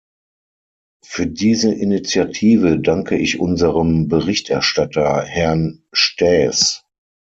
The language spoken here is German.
Für diese Initiative danke ich unserem Berichterstatter, Herrn Staes.